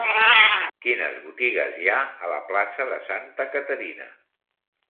Quines botigues hi ha a la plaça de Santa Caterina?